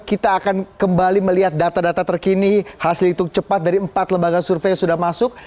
kita akan kembali melihat data data terkini hasil hitung cepat dari empat lembaga survei yang sudah masuk